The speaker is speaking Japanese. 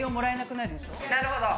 なるほど。